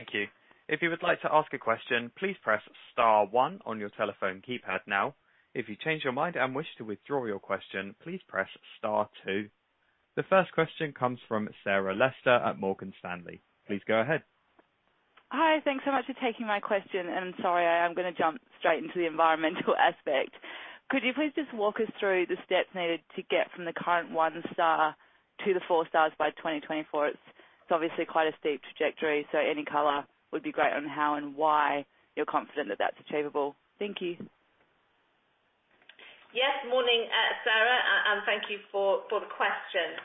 Thank you. If you would like to ask a question, please press star one on your telephone keypad now. If you change your mind and wish to withdraw your question, please press star two. The first question comes from Sarah Lester at Morgan Stanley. Please go ahead. Hi. Thanks so much for taking my question. Sorry, I am gonna jump straight into the environmental aspect. Could you please just walk us through the steps needed to get from the current one star to the four stars by 2024? It's obviously quite a steep trajectory. Any color would be great on how and why you're confident that that's achievable. Thank you. Yes. Morning, Sarah, and thank you for the question.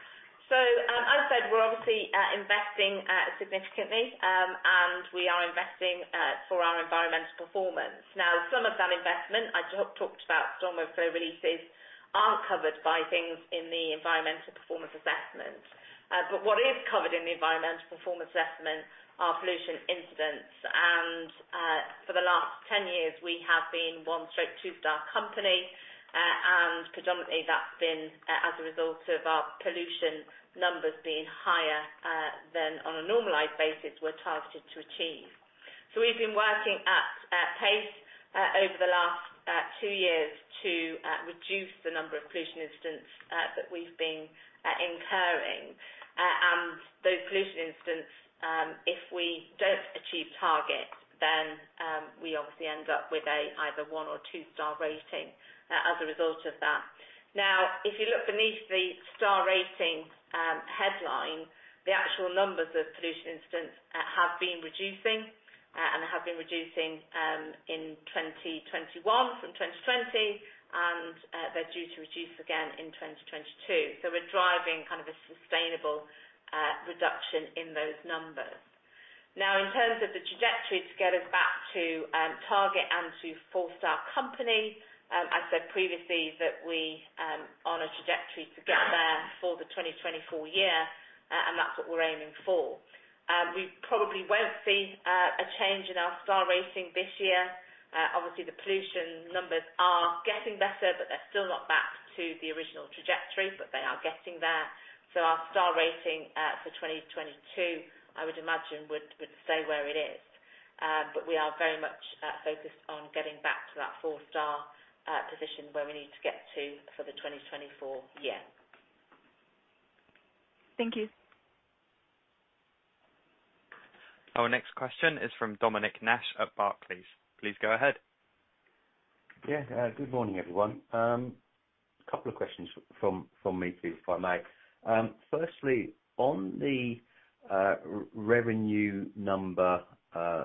As I said, we're obviously investing significantly, and we are investing for our environmental performance. Now, some of that investment, I talked about stormwater flow releases are covered by things in the Environmental Performance Assessment. What is covered in the Environmental Performance Assessment are pollution incidents, and for the last 10 years we have been one straight/two-star company. Predominantly that's been as a result of our pollution numbers being higher than on a normalized basis we're targeted to achieve. We've been working at pace over the last two years to reduce the number of pollution incidents that we've been incurring. Those pollution incidents, if we don't achieve target, then we obviously end up with a either one or two-star rating as a result of that. If you look beneath the star rating headline, the actual numbers of pollution incidents have been reducing and have been reducing in 2021 from 2020, and they're due to reduce again in 2022. We're driving kind of a sustainable reduction in those numbers. In terms of the trajectory to get us back to target and to four-star company, I said previously that we on a trajectory to get there for the 2024 year, and that's what we're aiming for. We probably won't see a change in our star rating this year. obviously the pollution numbers are getting better, but they're still not back to the original trajectory, but they are getting there. Our star rating for 2022, I would imagine, would stay where it is. We are very much focused on getting back to that 4-star position where we need to get to for the 2024 year. Thank you. Our next question is from Dominic Nash at Barclays. Please go ahead. Good morning, everyone. Couple of questions from me, please, if I may. Firstly, on the revenue number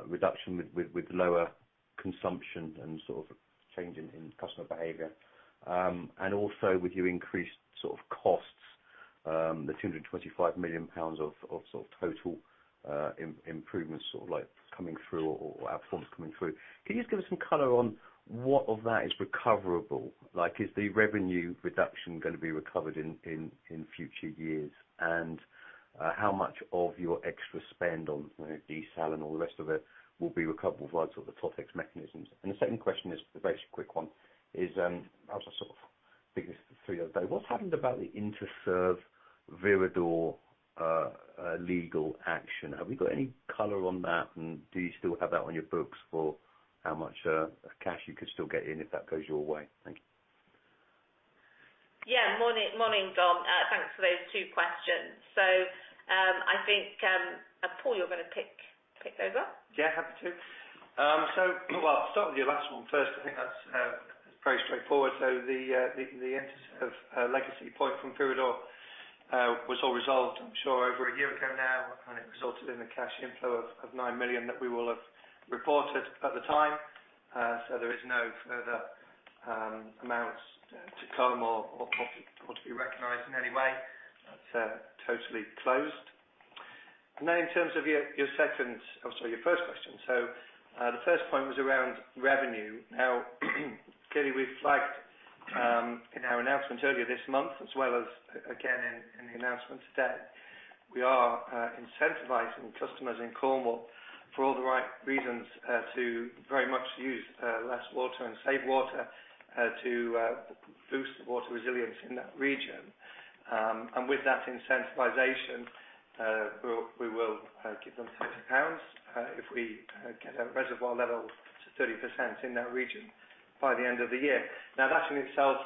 reduction with lower consumption and sort of change in customer behavior, and also with your increased sort of costs, the 225 million pounds of sort of total improvements sort of like coming through or outforms coming through. Can you just give us some color on what of that is recoverable? Like, is the revenue reduction gonna be recovered in future years? How much of your extra spend on, you know, diesel and all the rest of it will be recoverable via sort of the TotEx mechanisms? The second question is a very quick one, is, as I sort of think through the day, what happened about the Interserve Viridor legal action? Have we got any color on that, and do you still have that on your books for how much cash you could still get in if that goes your way? Thank you. Yeah. Morning, Dom. Thanks for those two questions. I think Paul, you're gonna pick those up. Yeah. Happy to. Well, I'll start with your last one first. I think that's very straightforward. The Interserve legacy point from Viridor was all resolved, I'm sure, over a year ago now, and it resulted in a cash inflow of 9 million that we will have reported at the time. There is no further amounts to come or to be recognized in any way. That's totally closed. Now in terms of your second... Oh, sorry, your first question. The first point was around revenue. Now, clearly we've flagged, in our announcement earlier this month, as well as again in the announcement today, we are incentivizing customers in Cornwall for all the right reasons, to very much use less water and save water, to boost the water resilience in that region. With that incentivization, we will give them 60 pounds, if we get a reservoir level to 30% in that region by the end of the year. Now, that in itself,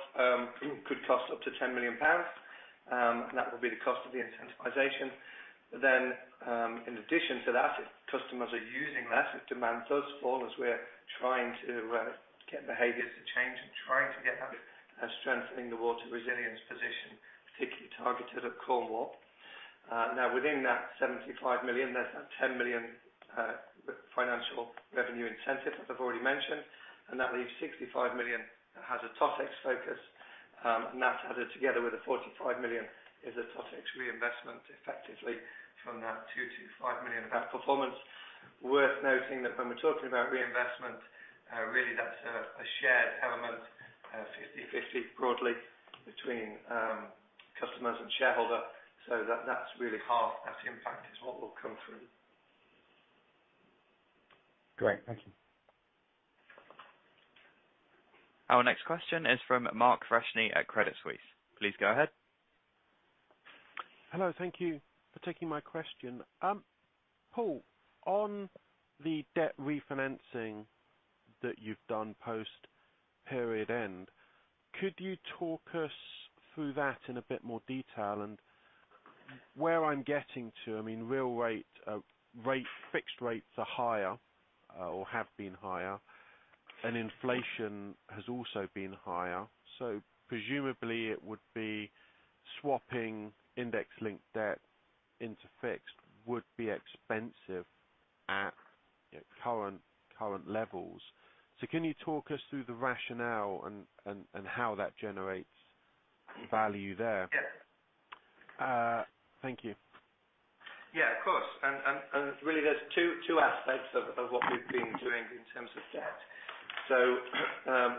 could cost up to 10 million pounds, and that would be the cost of the incentivization. In addition to that, if customers are using less, if demand does fall as we're trying to get behaviors to change and trying to get that strengthening the water resilience position, particularly targeted at Cornwall. Now within that 75 million, there's that 10 million financial revenue incentive as I've already mentioned, and that leaves 65 million that has a TotEx focus. That added together with the 45 million is a TotEx reinvestment effectively from that 2 million-5 million of outperformance. Worth noting that when we're talking about reinvestment, really that's a shared element, 50/50 broadly between customers and shareholder. That's really half that impact is what will come through. Great. Thank you. Our next question is from Mark Freshney at Credit Suisse. Please go ahead. Hello. Thank you for taking my question. Paul, on the debt refinancing that you've done post period end, could you talk us through that in a bit more detail? Where I'm getting to, I mean, real rate, fixed rates are higher, or have been higher, and inflation has also been higher. Presumably it would be swapping index-linked debt into fixed would be expensive at current levels. Can you talk us through the rationale and how that generates value there? Yeah. Thank you. Yeah, of course. Really there's 2 aspects of what we've been doing in terms of debt.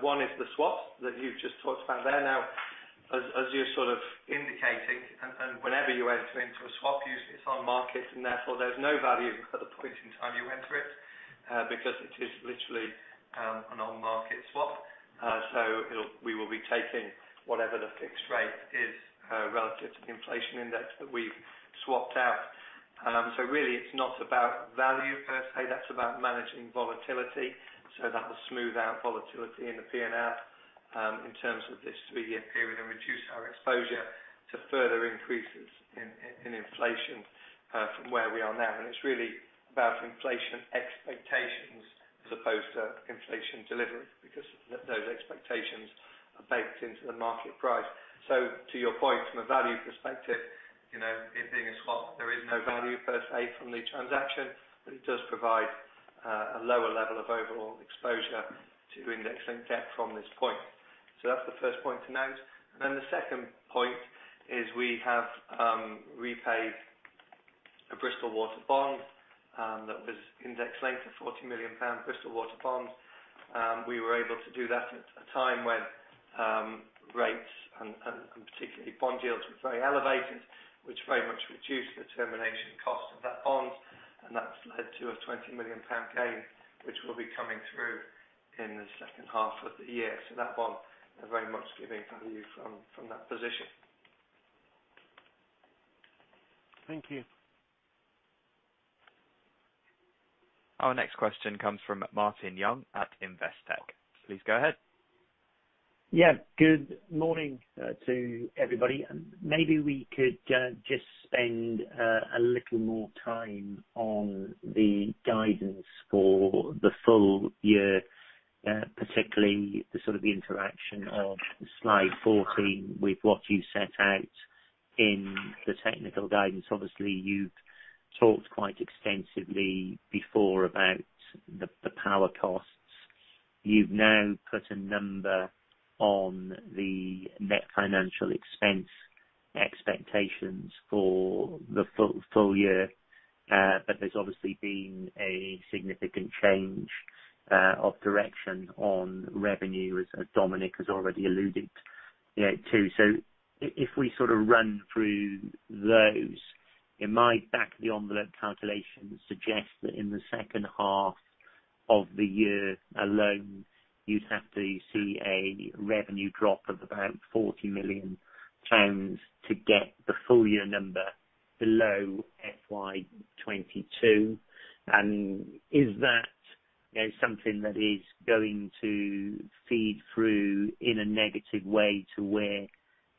One is the swap that you've just talked about there. Now, as you're sort of indicating, whenever you enter into a swap, usually it's on market, therefore there's no value at the point in time you enter it, because it is literally an on-market swap. We will be taking whatever the fixed rate is, relative to the inflation index that we've swapped out. Really it's not about value per se, that's about managing volatility. That will smooth out volatility in the P&L, in terms of this 3-year period and reduce our exposure to further increases in inflation, from where we are now. It's really about inflation expectations as opposed to inflation delivery, because those expectations are baked into the market price. To your point, from a value perspective, you know, it being a swap, there is no value per se from the transaction, but it does provide a lower level of overall exposure to index and debt from this point. That's the first point to note. The second point is we have repaid a Bristol Water bond that was index-linked, a 40 million pound Bristol Water bond. We were able to do that at a time when rates and particularly bond yields were very elevated, which very much reduced the termination cost of that bond, and that's led to a 20 million pound gain, which will be coming through in the second half of the year. That bond is very much giving value from that position. Thank you. Our next question comes from Martin Young at Investec. Please go ahead. Yeah. Good morning to everybody. Maybe we could just spend a little more time on the guidance for the full year, particularly the sort of interaction of Slide 14 with what you set out in the technical guidance. Obviously, you've talked quite extensively before about the power costs. You've now put a number on the net financial expense expectations for the full year. But there's obviously been a significant change of direction on revenue, as Dominic has already alluded, you know, to. If we sort of run through those, in my back of the envelope calculation suggests that in the second half of the year alone, you'd have to see a revenue drop of about 40 million pounds to get the full year number below FY 2022. Is that, you know, something that is going to feed through in a negative way to where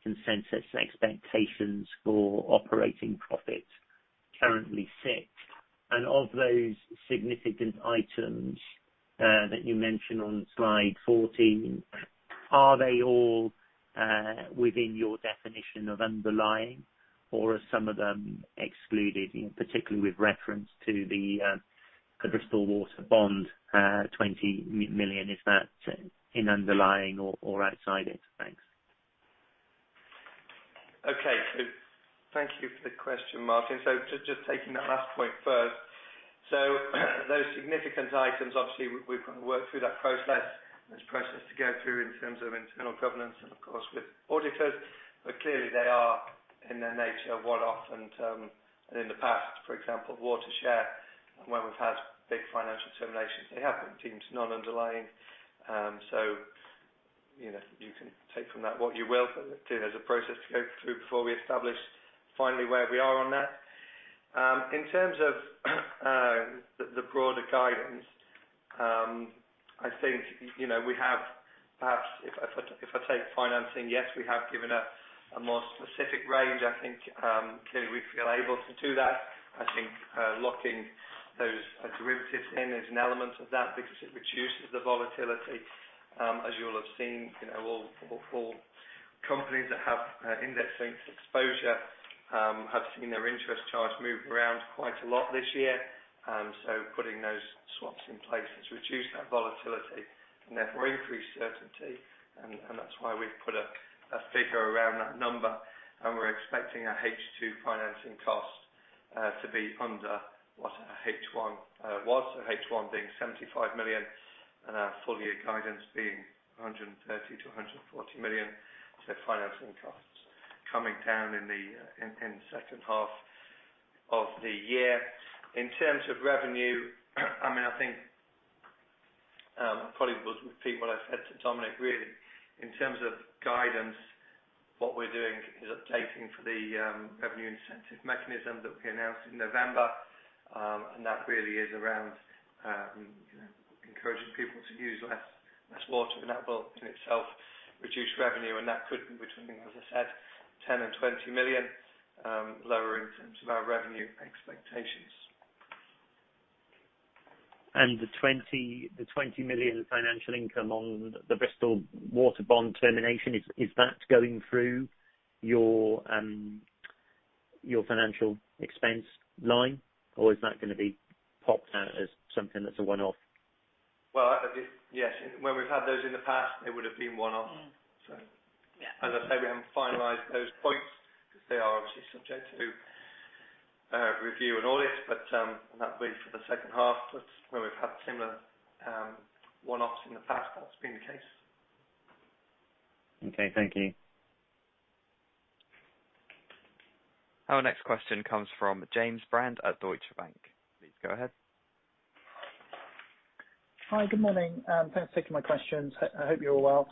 consensus expectations for operating profit currently sit? Of those significant items that you mentioned on slide 14, are they all within your definition of underlying, or are some of them excluded, you know, particularly with reference to the Bristol Water bond, 20 million? Is that in underlying or outside it? Thanks. Okay. Thank you for the question, Martin. Just taking that last point first. Those significant items, obviously, we've got to work through that process. There's a process to go through in terms of internal governance and of course with auditors. Clearly they are, in their nature, one-off. In the past, for example, WaterShare+, when we've had big financial terminations, they have been deemed non-underlying. You know, you can take from that what you will, but clearly there's a process to go through before we establish finally where we are on that. In terms of the broader guidance, I think, you know, we have perhaps if I take financing, yes, we have given a more specific range. I think clearly we feel able to do that. I think locking those derivatives in is an element of that because it reduces the volatility. As you'll have seen, you know, all companies that have index-linked exposure have seen their interest charge move around quite a lot this year. So putting those swaps in place has reduced that volatility and therefore increased certainty. That's why we've put a figure around that number, and we're expecting our H2 financing cost to be under what our H1 was. So H1 being 75 million and our full year guidance being 130 million-140 million. So financing costs coming down in the second half of the year. In terms of revenue, I mean, I think probably would repeat what I said to Dominic, really. In terms of guidance, what we're doing is updating for the revenue incentive mechanism that we announced in November. That really is around, you know, encouraging people to use less water, and that will in itself reduce revenue, and that could be between, as I said, 10 million and 20 million, lower in terms of our revenue expectations. The 20 million financial income on the Bristol Water bond termination, is that going through your financial expense line? Or is that gonna be popped out as something that's a one-off? Well, it. Yes. When we've had those in the past, it would have been one-off. Mm-hmm. So. Yeah. As I say, we haven't finalized those points, because they are obviously subject to review and audit. That'll be for the second half. That's where we've had similar one-offs in the past, that's been the case. Okay, thank you. Our next question comes from James Brand at Deutsche Bank. Please go ahead. Hi, good morning. Thanks for taking my questions. I hope you're well.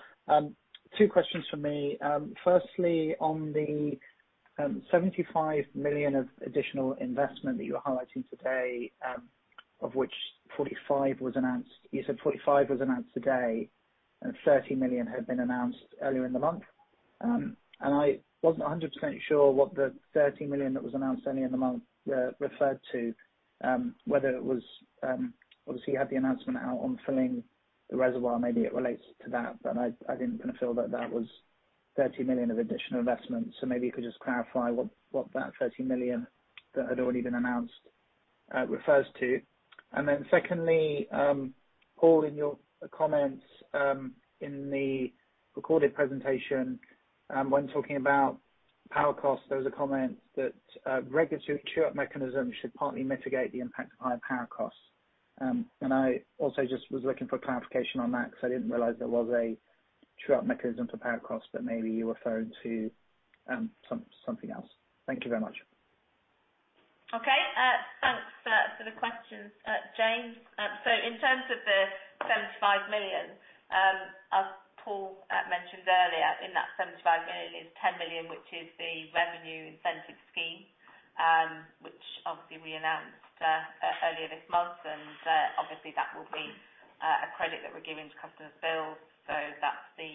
Two questions from me. Firstly, on the 75 million of additional investment that you're highlighting today, of which 45 was announced today, and 30 million had been announced earlier in the month. I wasn't 100% sure what the 30 million that was announced earlier in the month referred to, whether it was. Obviously, you had the announcement out on filling the reservoir, maybe it relates to that, but I didn't kind of feel that that was 30 million of additional investment. Maybe you could just clarify what that 30 million that had already been announced refers to. Secondly, Paul, in your comments, in the recorded presentation, when talking about power costs, there was a comment that regulatory true-up mechanism should partly mitigate the impact of higher power costs. I also just was looking for clarification on that, because I didn't realize there was a true-up mechanism for power costs, but maybe you were referring to something else. Thank you very much. Okay. Thanks for the questions, James. So in terms of the 75 million, as Paul mentioned earlier, in that 75 million is 10 million, which is the revenue incentive scheme, which obviously we announced earlier this month. Obviously, that will be a credit that we're giving to customers' bills. That's the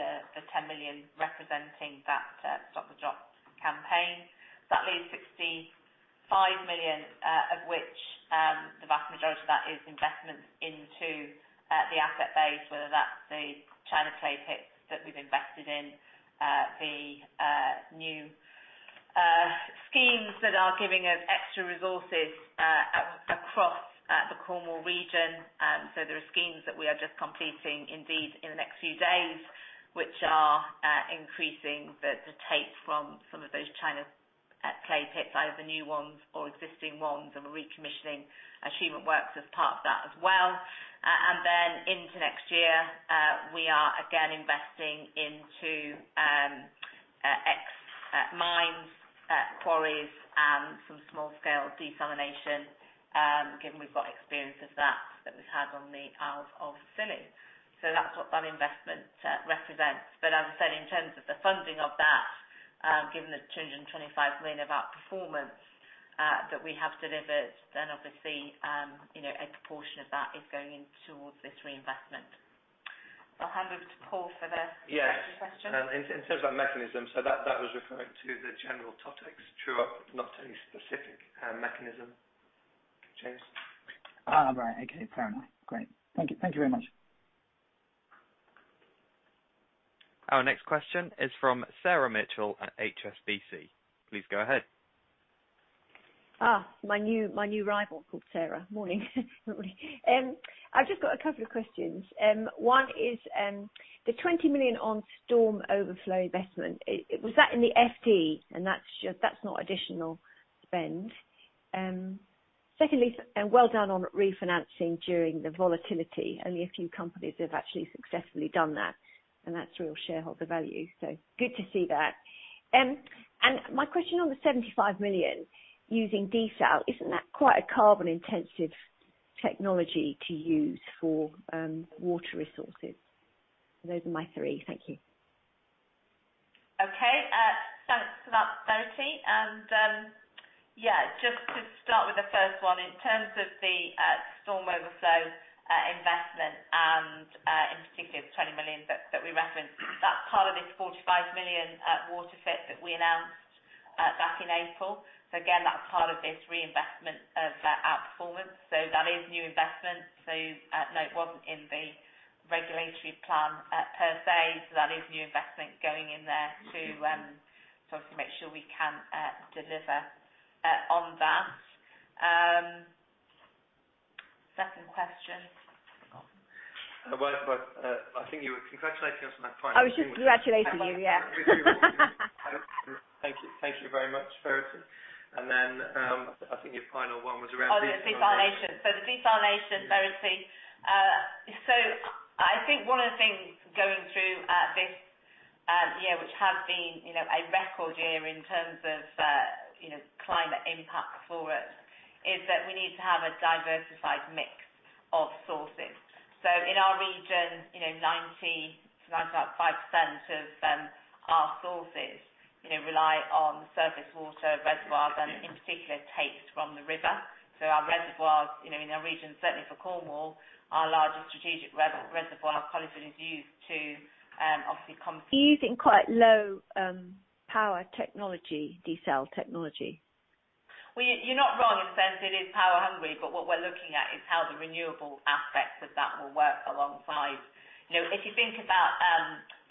10 million representing that Stop the Drop campaign. That leaves 65 million, of which the vast majority of that is investments into the asset base, whether that's the china clay pits that we've invested in, the new schemes that are giving us extra resources across the Cornwall region. so there are schemes that we are just completing indeed in the next few days, which are increasing the, the take from some of those china clay pits, either the new ones or existing ones, and we're recommissioning achievement works as part of that as well and then into next year we are again investing into mines quarries, and some small-scale desalination given we've got experience of that, that we've had on the Isles of Scilly. So that's what that investment represents. But as I said, in terms of the funding of that given the two hundred and twenty-five million of outperformance that we have delivered, then obviously you know, a proportion of that is going in towards this reinvestment. I'll hand over to Paul for the- Yeah second question. In terms of that mechanism, so that was referring to the general topics true-up, not any specific mechanism. James? Right. Okay. Fair enough. Great. Thank you. Thank you very much. Our next question is from Verity Mitchell at HSBC. Please go ahead. My new rival called Sarah. Morning. Morning. I've just got a couple of questions. One is, the 20 million on storm overflow investment, was that in the FD? That's just, that's not additional spend. Secondly, well done on refinancing during the volatility. Only a few companies have actually successfully done that's real shareholder value. Good to see that. My question on the 75 million, using desal, isn't that quite a carbon-intensive technology to use for water resources? Those are my three. Thank you. Okay. Thanks for that, Verity. Yeah, just to start with the first one, in terms of the storm overflow investment, and in particular, the 20 million that we referenced, that's part of this 45 million WaterFit that we announced back in April. Again, that's part of this reinvestment of outperformance. That is new investment. No, it wasn't in the regulatory plan per se. That is new investment going in there to sort of make sure we can deliver on that. Second question. Well, I think you were congratulating us on that financing. I was just congratulating you, yeah. Thank you. Thank you very much, Verity. I think your final one was. Oh, the desalination. The desalination, Verity, I think one of the things going through, this yeah, which have been, you know, a record year in terms of, you know, climate impact for us, is that we need to have a diversified mix of sources. In our region, you know, 90%-95% of our sources, you know, rely on surface water reservoirs and in particular takes from the river. Our reservoirs, you know, in the region, certainly for Cornwall, our largest strategic reservoir, Colliford, is used to, obviously come- Using quite low, power technology, desal technology. Well, you're not wrong in the sense it is power-hungry, but what we're looking at is how the renewable aspect of that will work alongside. You know, if you think about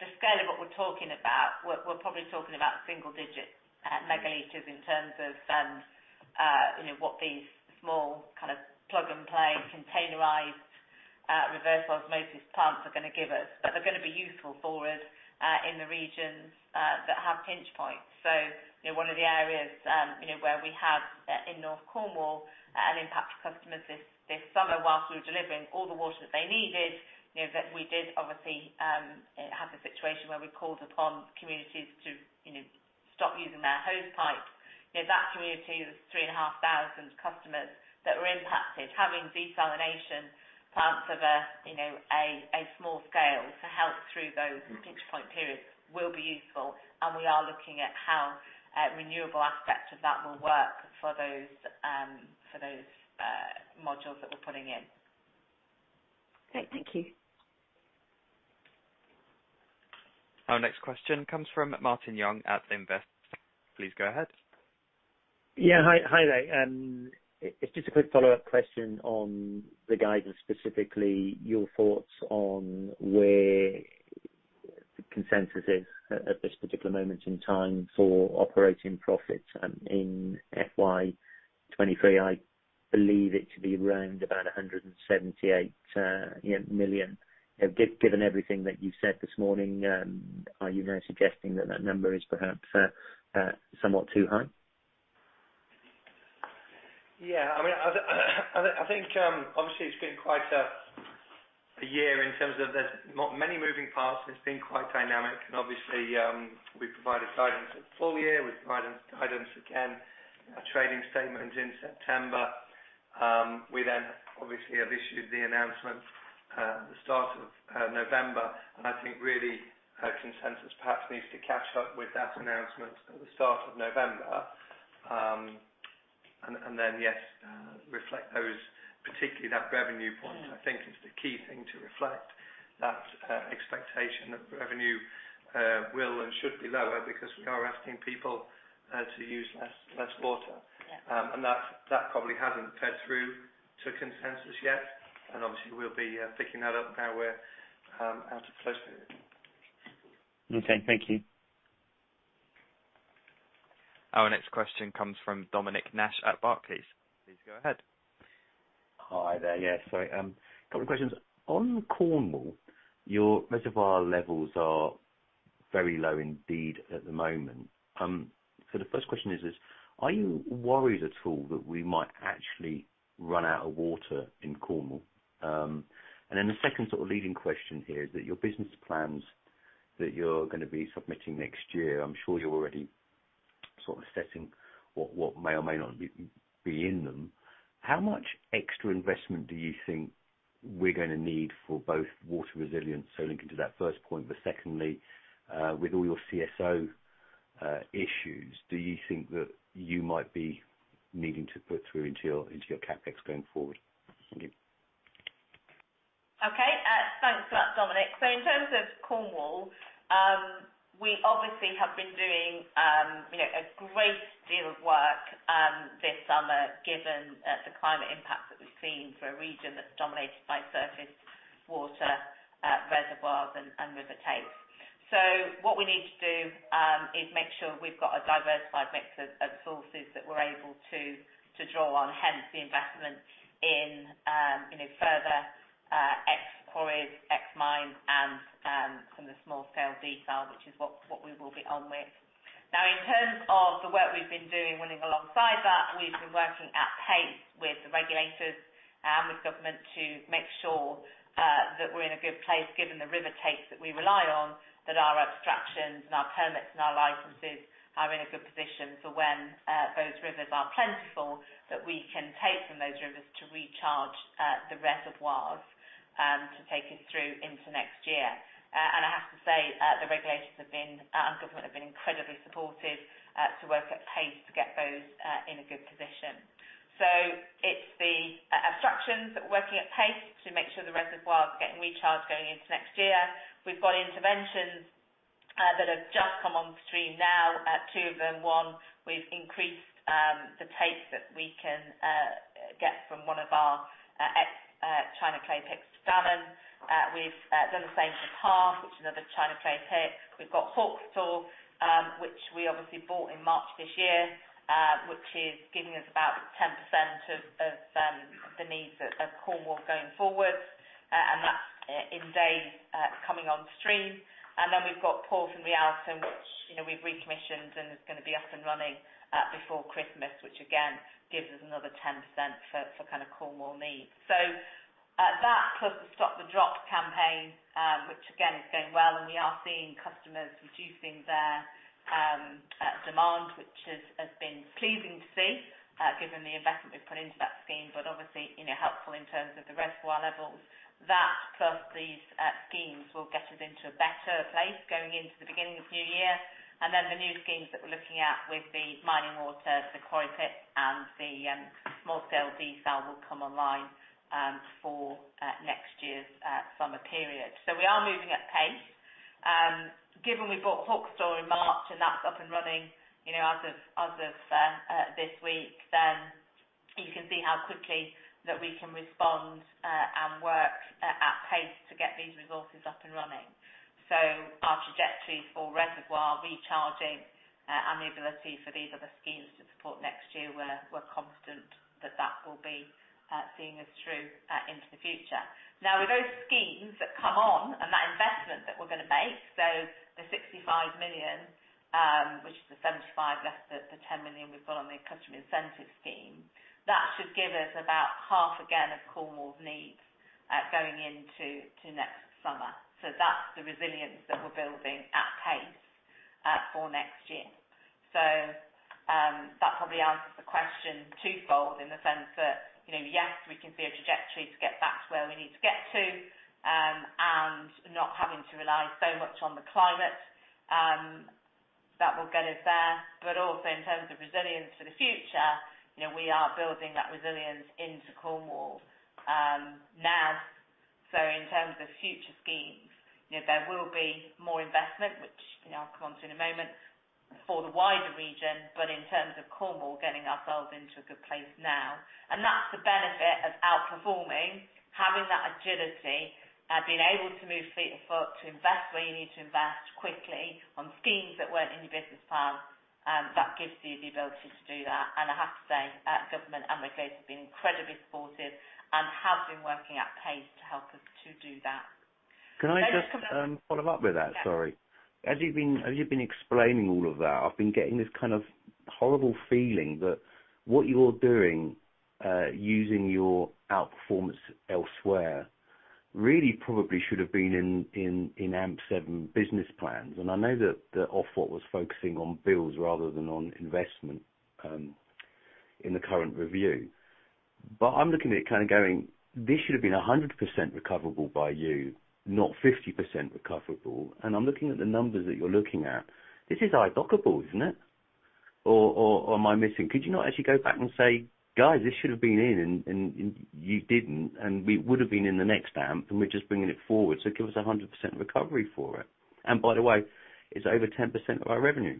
the scale of what we're talking about, we're probably talking about single digit megalitres in terms of, you know, what these small kind of plug-and-play containerized reverse osmosis pumps are going to give us. They're going to be useful for us in the regions that have pinch points. You know, one of the areas, you know, where we have in North Cornwall an impact to customers this summer whilst we were delivering all the water that they needed, you know, that we did obviously have the situation where we called upon communities to, you know, stop using their hose pipe. You know, that community is three and a half thousand customers that were impacted. Having desalination plants of a, you know, small scale to help through those pinch point periods will be useful, we are looking at how renewable aspects of that will work for those, for those modules that we're putting in. Great. Thank you. Our next question comes from Martin Young at Investec. Please go ahead. Yeah, hi. Hi there. It's just a quick follow-up question on the guidance, specifically your thoughts on where consensus is at this particular moment in time for operating profits in FY 2023. I believe it to be around about 178 million, you know. Given everything that you've said this morning, are you now suggesting that that number is perhaps, somewhat too high? Yeah. I mean, I think, obviously it's been quite a year in terms of there's many moving parts, and it's been quite dynamic. Obviously, we provided guidance at full year. We provided guidance again, our trading statement in September. We then obviously have issued the announcement at the start of November. I think really our consensus perhaps needs to catch up with that announcement at the start of November. Then, yes, reflect those, particularly that revenue point, I think is the key thing to reflect. That expectation of revenue will and should be lower because we are asking people to use less water. Yeah. That probably hasn't fed through to consensus yet, and obviously we'll be picking that up now we're out of close period. Okay. Thank you. Our next question comes from Dominic Nash at Barclays. Please go ahead. Hi there. Yes. Couple of questions. On Cornwall, your reservoir levels are very low indeed at the moment. The first question is, are you worried at all that we might actually run out of water in Cornwall? The second sort of leading question here is that your business plans that you're gonna be submitting next year, I'm sure you're already sort of assessing what may or may not be in them. How much extra investment do you think we're gonna need for both water resilience, so linking to that first point, but secondly, with all your CSO issues, do you think that you might be needing to put through into your CapEx going forward? Thank you. Thanks for that, Dominic. In terms of Cornwall, we obviously have been doing, you know, a great deal of work this summer, given the climate impact that we've seen for a region that's dominated by surface water, reservoirs and river takes. What we need to do is make sure we've got a diversified mix of sources that we're able to draw on, hence the investment in, you know, further ex-quarries, ex-mines, and some of the small scale desal, which is what we will be on with. Now, in terms of the work we've been doing, running alongside that, we've been working at pace with the regulators and with government to make sure that we're in a good place given the river takes that we rely on, that our abstractions and our permits and our licenses are in a good position for when those rivers are plentiful, that we can take from those rivers to recharge the reservoirs to take us through into next year. I have to say, the regulators have been, and government have been incredibly supportive to work at pace to get those in a good position. It's the abstractions that we're working at pace to make sure the reservoir is getting recharged going into next year. We've got interventions that have just come on stream now, two of them. One, we've increased the take that we can get from one of our china clay takes at Stannon. We've done the same for Halve, which is another china clay take. We've got Hawkstor, which we obviously bought in March this year, which is giving us about 10% of the needs of Cornwall going forward, and that's in days coming on stream. You know, we've recommissioned, and it's gonna be up and running before Christmas, which again, gives us another 10% for kind of Cornwall needs. That plus the Stop the Drop campaign, which again is going well, and we are seeing customers reducing their demand, which has been pleasing to see, given the investment we've put into that scheme, but obviously, you know, helpful in terms of the reservoir levels. That plus these schemes will get us into a better place going into the beginning of new year. The new schemes that we're looking at with the mining water, the quarry pit, and the small-scale desal will come online for next year's summer period. We are moving at pace. Given we bought Hawkstor in March and that's up and running, you know, as of this week, you can see how quickly that we can respond and work at pace to get these resources up and running. Our trajectory for reservoir recharging and the ability for these other schemes to support next year, we're confident that that will be seeing us through into the future. With those schemes that come on and that investment that we're gonna make, the 65 million, which is the 75 less the 10 million we've got on the customer incentive scheme, that should give us about half again of Cornwall's needs going into next summer. That's the resilience that we're building at pace for next year. That probably answers the question twofold in the sense that, you know, yes, we can see a trajectory to get back to where we need to get to, and not having to rely so much on the climate, that will get us there. But also in terms of resilience for the future, you know, we are building that resilience into Cornwall now. In terms of future schemes, you know, there will be more investment, which, you know, I'll come onto in a moment, for the wider region, but in terms of Cornwall, getting ourselves into a good place now. That's the benefit of outperforming, having that agility, being able to move feet and foot, to invest where you need to invest quickly on schemes that weren't in your business plan, that gives you the ability to do that. I have to say, government and regulators have been incredibly supportive and have been working at pace to help us to do that. Can I just follow up with that? Sorry. As you've been explaining all of that, I've been getting this kind of horrible feeling that what you're doing, using your outperformance elsewhere really probably should have been in AMP7 business plans. I know that the Ofwat was focusing on bills rather than on investment in the current review. I'm looking at it kind of going, "This should have been 100% recoverable by you, not 50% recoverable." I'm looking at the numbers that you're looking at. This is epochal, isn't it? Or am I missing? Could you not actually go back and say, "Guys, this should have been in and you didn't, and we would have been in the next AMP, and we're just bringing it forward, so give us a 100% recovery for it. And by the way, it's over 10% of our revenue.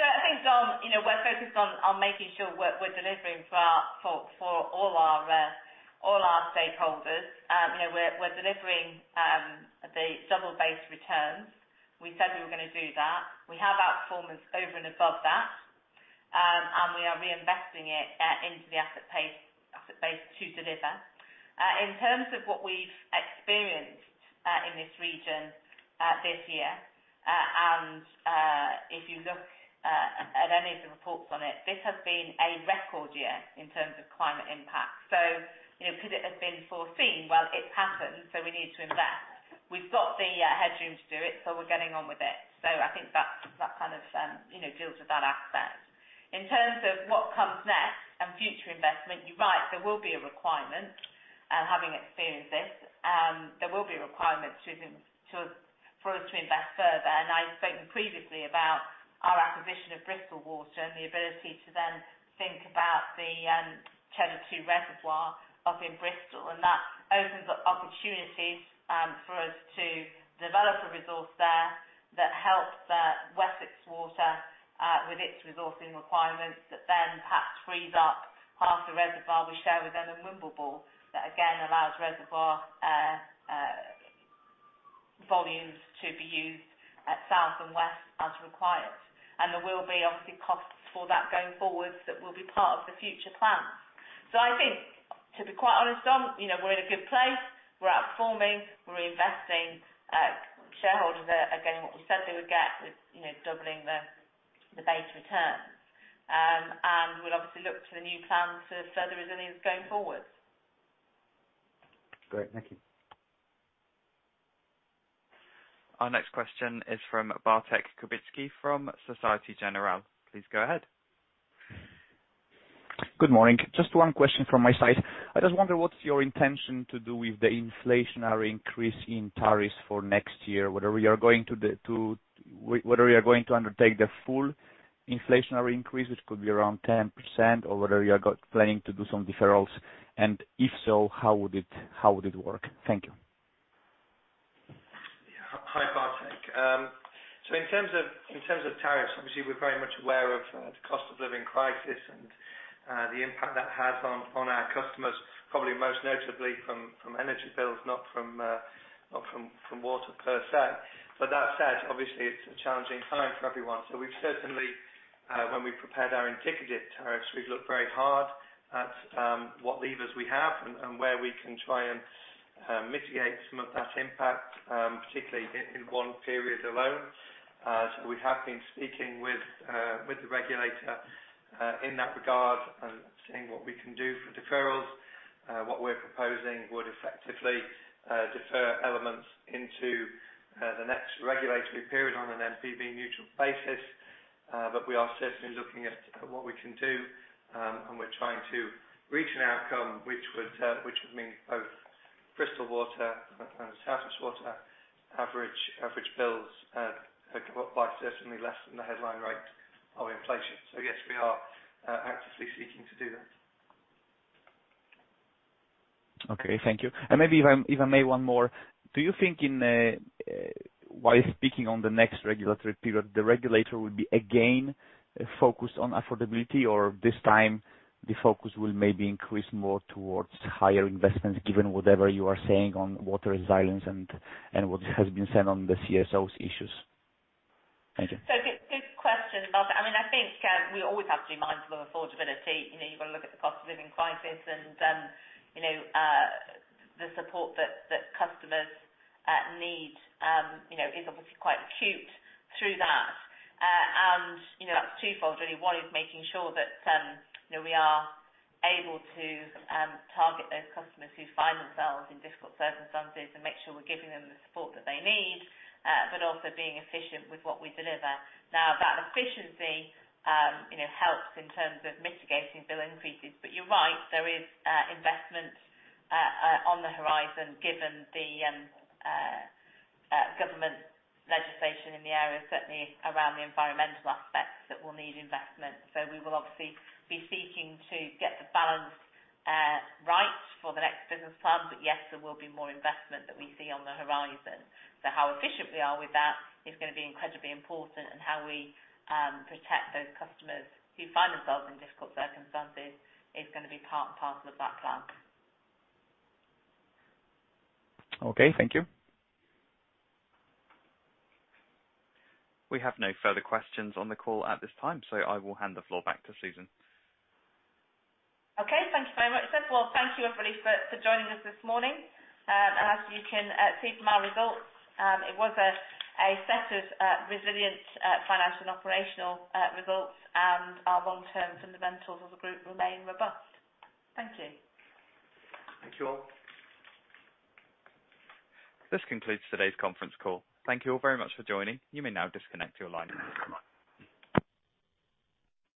I think, Dom, you know, we're focused on making sure we're delivering for all our stakeholders. You know, we're delivering the double-based returns. We said we were gonna do that. We have outperformance over and above that. We are reinvesting it into the asset base to deliver. In terms of what we've experienced in this region this year, if you look at any of the reports on it, this has been a record year in terms of climate impact. You know, could it have been foreseen? Well, it's happened, we need to invest. We've got the headroom to do it, we're getting on with it. I think that kind of, you know, deals with that aspect. In terms of what comes next and future investment, you're right, there will be a requirement, having experienced this, there will be a requirement to for us to invest further. I spoke previously about our acquisition of Bristol Water and the ability to then think about the Cheddar Two reservoir up in Bristol. That opens up opportunities for us to develop a resource there that helps Wessex Water with its resourcing requirements, that then perhaps frees up half the reservoir we share with them in Wimbleball that, again, allows reservoir volumes to be used at south and west as required. There will be obviously costs for that going forward that will be part of the future plan. I think, to be quite honest, Dom, you know, we're in a good place. We're outperforming, we're reinvesting. Shareholders are getting what we said they would get with, you know, doubling the base returns. We'll obviously look to the new plan for further resilience going forward. Great. Thank you. Our next question is from Bartłomiej Kubicki from Société Générale. Please go ahead. Good morning. Just one question from my side. I just wonder what's your intention to do with the inflationary increase in tariffs for next year? Whether you're going to undertake the full inflationary increase, which could be around 10%, or whether you are planning to do some deferrals, and if so, how would it work? Thank you. Yeah. Hi, Bartek. So in terms of, in terms of tariffs, obviously, we're very much aware of the cost of living crisis and the impact that has on our customers, probably most notably from energy bills, not from water per se. But that said, obviously, it's a challenging time for everyone. So we've certainly, when we prepared our indicative tariffs, we've looked very hard at what levers we have and where we can try and mitigate some of that impact, particularly in one period alone. So we have been speaking with the regulator in that regard and seeing what we can do for deferrals. What we're proposing would effectively defer elements into the next regulatory period on an MPB mutual basis. We are certainly looking at what we can do, and we're trying to reach an outcome which would mean both Bristol Water and South West Water average bills go up by certainly less than the headline rate of inflation. Yes, we are actively seeking to do that. Okay. Thank you. Maybe if I may, one more. Do you think while speaking on the next regulatory period, the regulator will be again focused on affordability? This time the focus will maybe increase more towards higher investments, given whatever you are saying on water resilience and what has been said on the CSOs issues? Thank you. Good, good question, Bartłomiej. I mean, I think, we always have to be mindful of affordability. You know, you've got to look at the cost of living crisis and, you know, the support that customers need, you know, is obviously quite acute through that. You know, that's twofold really. One is making sure that, you know, we are able to target those customers who find themselves in difficult circumstances and make sure we're giving them the support that they need, but also being efficient with what we deliver. Now, that efficiency, you know, helps in terms of mitigating bill increases. You're right, there is investment on the horizon given the government legislation in the area, certainly around the environmental aspects that will need investment. We will obviously be seeking to get the balance right for the next business plan. Yes, there will be more investment that we see on the horizon. How efficient we are with that is gonna be incredibly important and how we protect those customers who find themselves in difficult circumstances is gonna be part of the background. Okay, thank you. We have no further questions on the call at this time, so I will hand the floor back to Susan. Okay. Thank you very much, Seth. Thank you everybody for joining us this morning. As you can see from our results, it was a set of resilient financial and operational results. Our long-term fundamentals as a group remain robust. Thank you. Thank you all. This concludes today's conference call. Thank you all very much for joining. You may now disconnect your line.